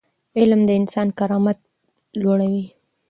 علم د انسان کرامت لوړوي.